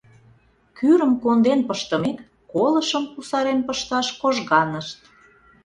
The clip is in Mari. Кӱрым конден пыштымек, колышым кусарен пышташ кожганышт.